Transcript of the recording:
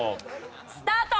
スタート！